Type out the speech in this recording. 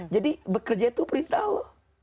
jadi bekerja itu perintah allah